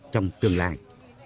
trong tương lai